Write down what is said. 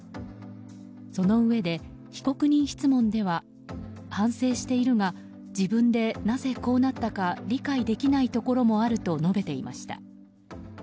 そのうえで、被告人質問では反省しているが自分でなぜこうなったか理解できないところもあると述べていました。